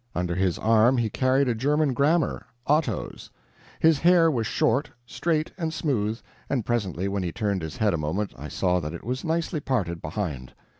Under his arm he carried a German grammar Otto's. His hair was short, straight, and smooth, and presently when he turned his head a moment, I saw that it was nicely parted behind.